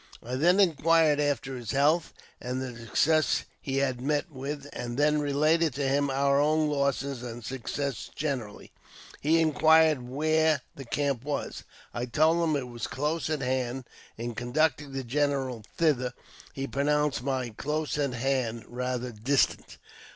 I then inquired after his health, and the success he had met with, and then related to him our own losses and success generally. He inquired where the camp was. I told him it was close at hand. In conducting the general thither, he pronounced my " close at hand" rather distant.